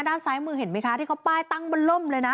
ด้านซ้ายมือเห็นไหมคะที่เขาป้ายตั้งบนล่มเลยนะ